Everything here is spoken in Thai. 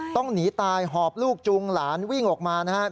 ต้องหนีตายหอบลูกจูงหลานวิ่งออกมานะครับ